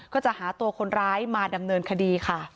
ก็จะหาตัวคนร้ายมาดำเนินคดีค่ะ